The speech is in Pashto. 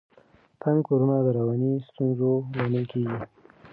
تنګ کورونه د رواني ستونزو لامل کیږي.